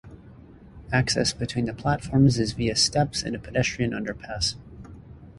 Access between the platforms is via steps and a pedestrian underpass.